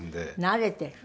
慣れてる。